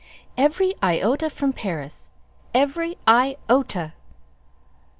"Every iota from Paris! Every i o ta!"